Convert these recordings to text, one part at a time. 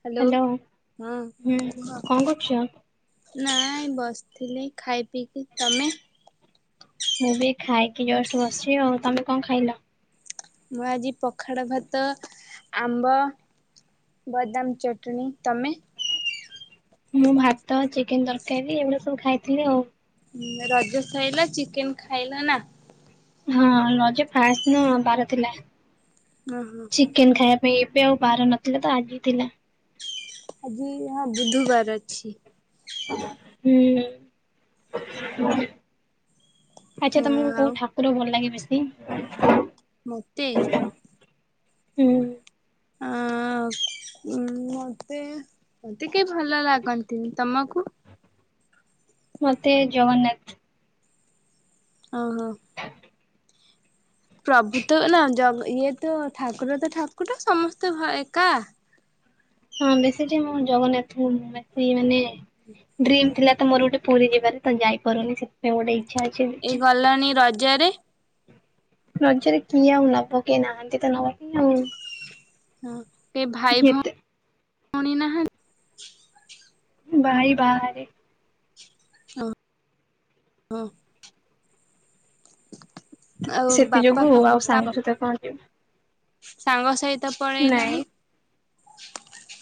Hello ହଁ ହୁଁ କଣ କୁହ। କରୁଛ? ନାଇଁ ବସିଥିଲି ଖାଇ ପିଇକି ତମେ? ମୁଁ ବି ଖାଇକି ଜଷ୍ଟ ବସିଛି ଆଉ ତମେ କଣ ଖାଇଲ? ମୁଁ ଆଜି ପଖାଳ ଭାତ ଆମ୍ବ ବଦାମ ଚଟଣି ତମେ? ମୁଁ ଭାତ ଚିକେନ ତରକାରୀ ଏଇଗୁଡା ସବୁ ଖାଇଥିଲି ଆଉ। ରଜ ସଇଲା ଚିକେନ ଖାଇଲ ନା ହଁ ରଜ ଫାଷ୍ଟ ଦିନ ବାର ଥିଲା। ହଁ ହଁ ଚିକେନ ଖାଇବା ପାଇଁ ଏବେ ଆଉ ବାହାର ନଥିଲା ତ ଆଜି ଥିଲା। ଆଜି ହଁ ବୁଧବାର ଅଛି। ହୁଁ ଆଚ୍ଛା ହଁ ତମକୁ ଆଉ କୋଉ ଠାକୁର ଭଲ ଲାଗେ ବେଶୀ? ମୋତେ? ହୁଁ ଅ [inaudible] ଉଁ ମତେ ମୋତେ କେହି ଭଲ ଲାଗନ୍ତିନି ତମକୁ? ମତେ ଜଗନ୍ନାଥ ଓହୋ ପ୍ରଭୁତ ନା ଇଏ ତ ଠାକୁର ତ ଠାକୁର ସମସ୍ତେ ଭ ଏକା। ହଁ ବେଶୀଟି ମୁଁ ଜଗନ୍ନାଥ ବେଶୀ ମାନେ ଡ୍ରିମ୍ ଥିଲା ତ ମୋର ଗୋଟେ ପୁରୀ ଯିବାରେ ତେ ଯାଇପାରୁନି ସେଥିପାଇଁ ଗୋଟେ ଇଚଛା ଅଛି। ପାଣି ରଜରେ। ରଜରେ କିଏ ଆଉ ନବ କିଏ ନାହାନ୍ତି ତ ନବ କି ଆଉ। ହଁ କେଇ ଭାଇ ଏତେ ଭଉଣୀ ଭଉଣୀ ନାହାନ୍ତି? ଭାଇ ବାହାରେ ଓହୋ ଆଉ ସେଥି ବାପା ଯୋଗୁ ଆଉ ଫା ସାଙ୍ଗ ସହିତ କଣଯୁବୁ ସାଙ୍ଗ ସହିତ ନାଇଁ ପଳେଇଲନି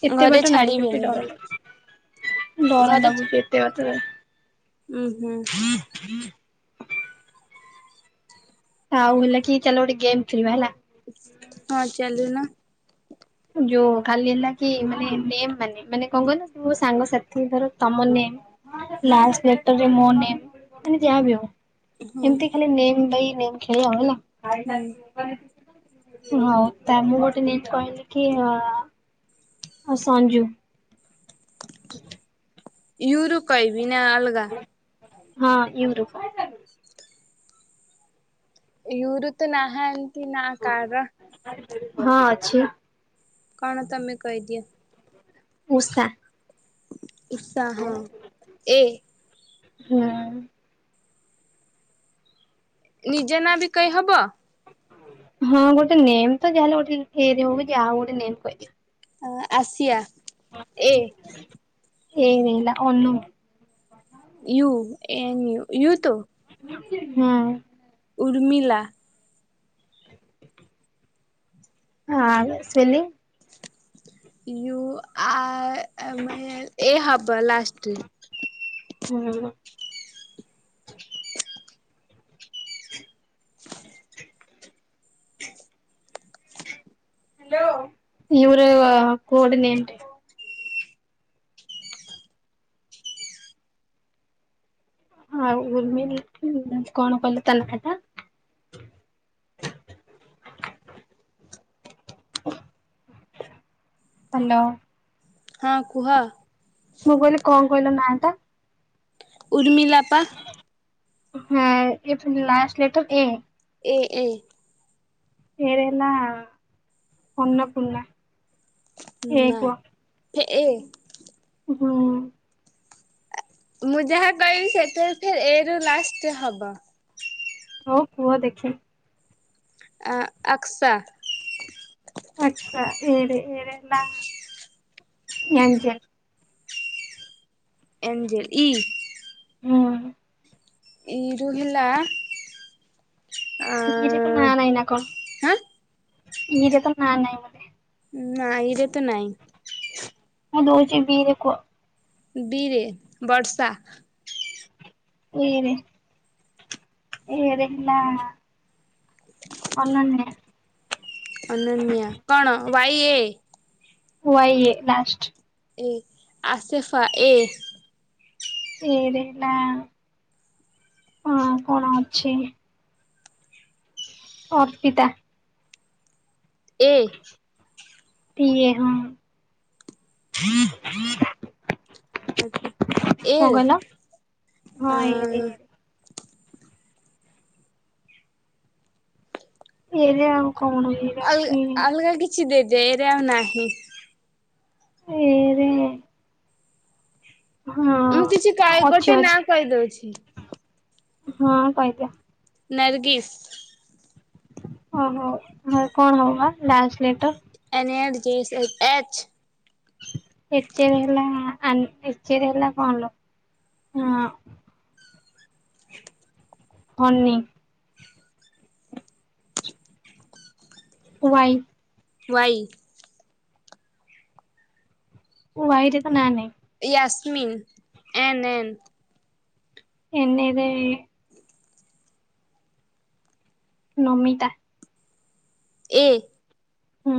ଏତେ ବାଟ ନାହିଁ ଯୋଉଠି ଛାଡିବେନି ଡର ବୋଲି ଲାଗୁଛି ଡର ଘରେ ଲାଗୁଛି ଏତେ ବାଟରେ ଉୁଁ ହୁଁ ହୁଁ ଆଉ ହେଲା କି ଚାଲ ଗୋଟେ ଗେମ୍ ଖେଳିବା ହେଲା ହଁ ଚାଲୁନ ଯୋଉ ଖାଲି ହେଲା କି ମାନେ ନେ ମାନେ ମାନେ କଣ କହିଲ ସାଙ୍ଗସଥି ଧର ତମ ନେ ହୁଁ ଲାଷ୍ଟେ ଲେଟରେ ମୋ ନେ ମାନେ ଯାହା ବି ହଉ ହୁଁ ଏମତି ଖାଲି ନେ ବାଇ ନେ ଖେଳିବା ଆଉ ହେଲା ହୁଁ ହଉ ତାଙ୍କୁ ଗୋଟେ ନେ କହିଲେ କିଏ ଆ ସଞ୍ଚୁ ହଁ ୟୁରୁ କହିବି ନା ଅଲଗା ହଁ ୟୁରୁ କହ ୟୁରୁ ତ ନାହାନ୍ତି ନା କାର ହଁ ଅଛି କଣ ତମେ କହିଦିଅ ଉଷା ଉଷା ହଁ ଏ ହୁଁ ନିଜ ନା ବି କହିହବ ହଁ ଗୋଟେ ନେମ୍ ତ ଯାହେଲେ ଗୋଟେ ଏ ରେ ହଉ କି ଆଉ ଗୋଟେ ନେମ୍ ପାଇଛ ଅ ଆସିଆ ଏ ଏ ନା Anu U N U U ତ ହୁଁ ଉର୍ମିଲା ଖ ହଁ ଆ ର ସ୍ପେଲିଙ୍ଗି ୟୁ ଆ ଏ ହବ ଲାଷ୍ଟେରେ ହୁଁ ହ ହ୍ୟାଲୋ ର କୋଡ଼ନେନି ହଁ ଉର୍ମ କଣ କହିଲ ତା ଲେଖାଟା ହ୍ୟାଲୋ ହଁ କୁହ ମୁଁ କହିଲି କଣ କହିଲ ନାଟା ଉର୍ମିଲା ପା ହଁ ଏ ଲାଷ୍ଟେ letter A A A A ରେ ନା ଅର୍ଣ୍ଣ ପୁର୍ଣ୍ଣା ନା ଏ ହୁଁ। [unintelligible] ହଉ କୁହ ଦେଖେ। ଆକ୍ସା। ଆଛା, ଏ ରେ ଏ ରେ ନା ଏଞ୍ଜେଲ। ଏଞ୍ଜଲ ଇ। ହୁଁ। ଇ ରୋହିିଲା। ନି ରେ ତ ନାଁ ନାହିଁ ନା କଣ? ହାଁ ନି ରେ ତ ନା ନାହିଁ ନା। ନା ଇରେ ତ ନାଇଁ। ମୁଁ ଦଉଚି ବି ରେ କୁହ। ବିରେ ବର୍ଷା। ଇରେ ଏରେ ହେଲା। ଅନନ୍ୟା। ଅନନ୍ୟା କଣ Y A. Y, A last. A ଆସେଫା A. A ରେ ହେଲା କଣ କଣ ଅଛି। ଅର୍ପିତା। ଏ। ପ, ଏ ହଁ। କଣ କହିଲ? ହଁ ଏ ଏରେ ଏ ଆ ରେ। ଏ ରେ ଆଉ କଣ। ଏରେ ଅଲଗା, ଅଛି ଅଲଗା କିଛି ଦେଇଦିଏ ଏରେ ଆଉ ନାହିଁ। ଏରେ ହଁ ମୁଁ କିଛି ଅଛି ଗୋଟେ ଅଛି ନାଁ କହିଦଉଛି। ହଁ କଇଦିଅ। ନର୍ଗିସ୍। ଓହୋ ହ କଣ ହବ ବା match letter. N, L, G, H. [unintelligible] ହ ହନି। ୱାଇ। ୱାଇ। ମୋ ଭାଇ ର ତ ନା ନାଇଁ। Yasmin, N N. ଏନ୍ ରେ। ନମିତା। ଏ। ହୁଁ।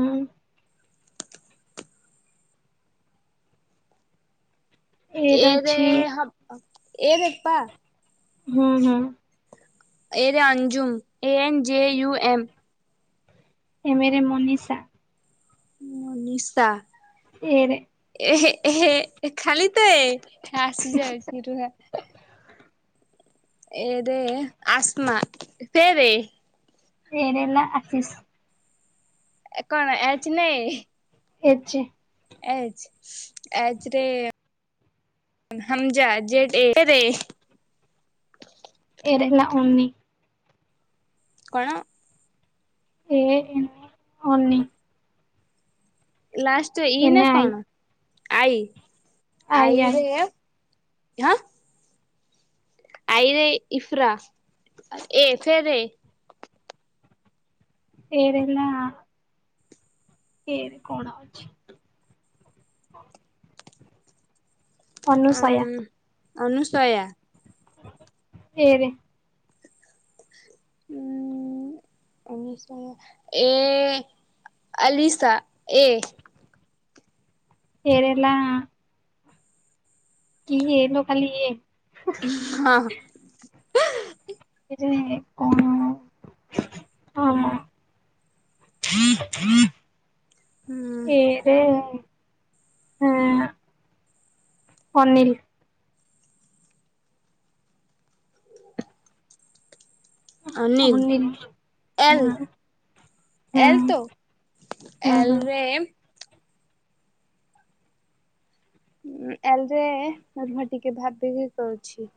ଏରେ, ହ ଏ ରେ ପା। ହୁଁ ହୁଁ। ଏ ରେ Anjum, A N J U M. M ରେ ମନୀଷା। ମନିଶା। ଏ ରେ। ଏ ଖାଲି ତ ଏ ଆସିଯାଉଛି ରୁହ। ଏ ରେ ଆସ୍ମା ତେ ରେ। ଏ ରେ ହେଲା ଆଶିଷ। ଏ କଣ ଏଚ୍ ନା ଏ। ଏଚ୍। ଏଚ୍ ଏଚ୍ ରେ। ହମଜା ଜେଡ ଏ ରେ। ଏ ରେ ହେଲା ଅନି। କଣ। A N Ani. Last E ନା ଏନେ ଆଇ କଣ ଆଈ ଆଇ ଆଇ ଆଈରେ? ହାଁ। ଆଇରେ ଇଫ୍ରା ଏ ଫେରେ। ଏ ରେ ନା। ଏ ରେ କଣ ଅଛି। ଅନୁସୟା ଆଁ ଅନୁଶୟା। ଏ ରେ। [inaudible] ଅନୁଶୟା ଏ ଆଲିଶା ଏ। ଏ ରେ ନା। କି ଏ ଲୋ ଖାଲି ଏ। ହଁ। କେଜାଣି କଣ ହଁ। ହୁଁ ଏ। ଏ ହଁ ଅନିଲ। ଅନିଲ ଏଲ୍। ହଁ ହୁଁ ଏଲ୍ ତ ହୁଁ ହୁଁ ଏଲରେ। ଉଁ ଏଲରେ ରୁହ ଟିକେ ଭାବିକି କହୁଛି।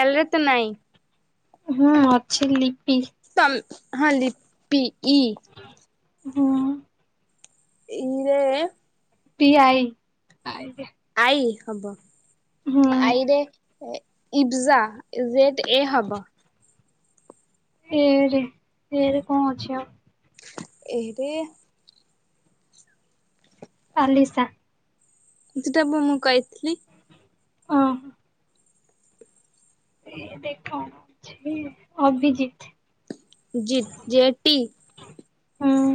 ଏଲରେ ତ ନାଇଁ। ହୁଁ ଅଛି ଲିପି। ତମ ହଁ ଲିପି ଇ। ହଁ। ଇ ରେ? ପି ଆଇ ଆଇ ରେ? ଆଈ ହବ ଆଈରେ? ଏ ଇଫଜା ଯେଡ୍ ଏ ହବ। ଏ ରେ ଏ ରେ କଣ ଅଛି ଆଉ। ଏଇରେ। ପାଲିଶା। ସେଟାପ ମୁଁ କହିଥିଲି। ଓ। ଦେଖାଛି ଅଭି ଜିତ। ଜି ଯେଟି। ହଁ।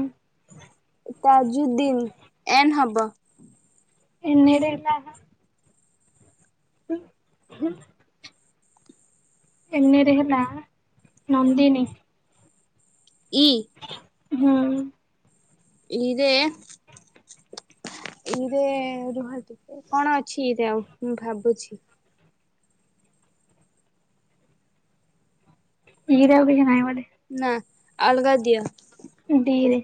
ତାଜୁଦ୍ଦିନ୍ ଏନ୍ ହବ। ଏନରେଲା। [unintelligible] ହୁଁ ଏନ୍ ରେ ହେଲା ନନ୍ଦିନୀ। ଇ। ହୁଁ। ଇ ରେ। ଇ ରେ ରୁହ ଟିକେ କଣ ଅଛି ଇ ରେ ଆଉ ମୁଁ ଭାବୁଛି। ଇ ରେ ଆଉ କିଛି ନାଇଁ ବୋଧେ। ନାଁ ଆଲଗା ଦିଅ। ଡି ରେ।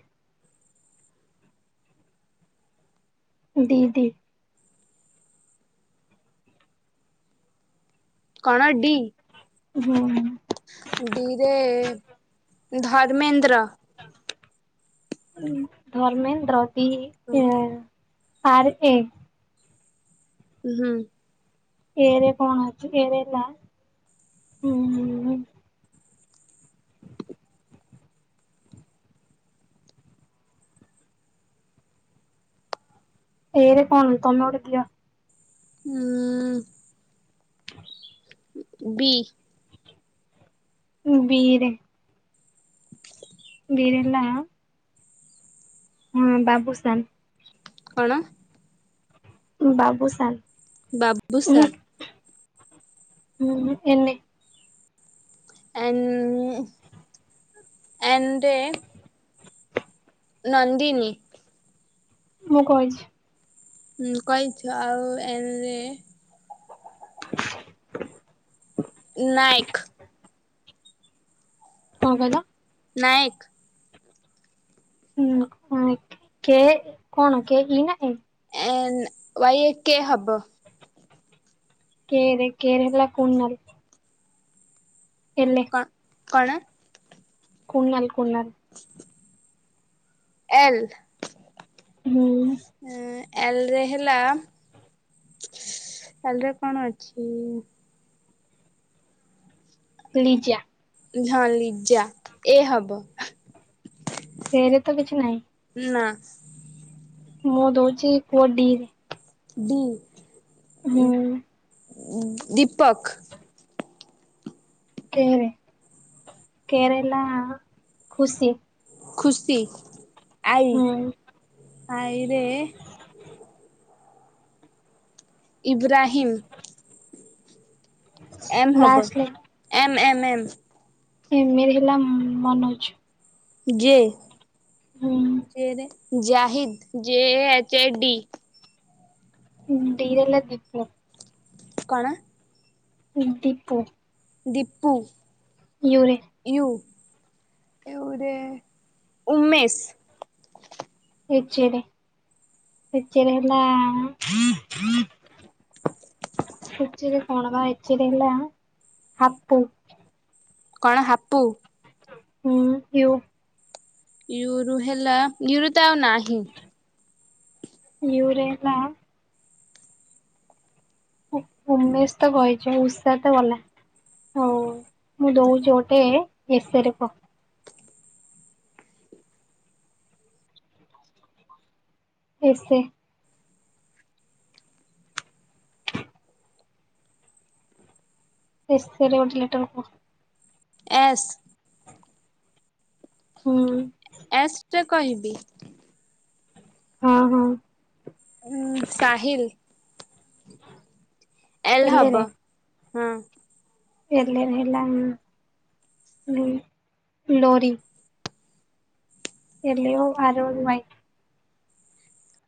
D D. କଣ, ଡି। ହୁଁ। ଡି ରେ ଧର୍ମେନ୍ଦ୍ର। ଉଁ ଧର୍ମେନ୍ଦ୍ର ଡି ଆର ଏ, ହୁଁ। ଏରେ କଣ ହଉଛି, ଏ ରେ ଲା। ହୁଁ ହୁଁ ହୁଁ। ଏରେ କଣ ତମେ ଗୋଟେ ଦିଅ। ହୁଁ। ବି। ବି ରେ ବି ରେ ହେଲା। ହୁଁ ବାବୁସାନ୍। କଣ? ଉଁ ବାବୁସାନ୍। ବାବୁସା। ହୁଁ ଏନି। ଏନ୍ ଏଣ୍ଡେ। ନନ୍ଦିନୀ। ମୁଁ କହିଛି। ହୁଁ କହିଛ ଆଉ ଏନରେ। ନାୟକ। କଣ କହିଲ। ନାୟକ। ହୁଁ ହୁଁ କେ କଣ କେ ଇ ନା A. N Y A K. K ରେ କେ ରେ ହେଲା କୁନାଲ୍। ଏଲେ। କଣ କଣ? କୁନାଲ କୁନାଲ୍। [inaudible] ଏଲ୍। ହୁଁ। ଏଲରେ ହେଲା ଏଲ କଣ ଅଛି? ଲିଜ଼ା। ହଁ ଲିଜା ଏ ହବ। ଏରେ ତ କିଛି ନାହିଁ। ନା। ମୁଁ ଦଉଛି କୁହ ଡିରେ। ଡି ହୁଁ ଦୀପକ। କେରେ କେ ହେଲା ଖୁସି। ଖୁସି ଆଈ ହୁଁ ଆଈରେ ଇବ୍ରାହିମ୍। ଏମ୍ ହେବ last M M M M ରେ ହେଲା ମନୋଜ। ଯେ ଯେ ରେ ଜାହିଦ ଜ A H A D. D ରେ ହେଲା ଦିପକ। କଣ? ଡିପୁ। ଦିପୁ। ୟୁ ରେ ୟୁ ୟୁ ରେ ଉମେଶ। ଏଚ ରେ ଏଚ ରେ ହେଲା ଏଚ ରେ କଣ ବା ଏଚରେ ହେଲା ହାପୁ। କଣ ହାପୁ? ହୁଁ ୟୁ। ୟୁରୁ ହେଲା ୟୁ ରେ ତ ଆଉ ନାହିଁ। ୟୁ ରେ ହେଲା ଉମେଶ ତ କହିଛ ଉଷା ତ ଗଲା ହଉ ମୁଁ ଦଉଛିୁ ଗୋଟେ ଏସରେ କହ? ଏସେ ଏସେ ରେ ଗୋଟେ ଲେଟର କହ? ଏସ୍ ହୁଁ। ଏସରେ କହିବି ହଁ ହଁ। ଉଁ ସାହିିଲି। ଏଲ୍ ହବ ହୁଁ। ଏଲ ରେ ହେଲା ଲୋରି। ଏଲିଓ ଆର ଓ ୱାଇ।